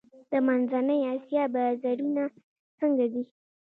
د منځنۍ اسیا بازارونه څنګه دي؟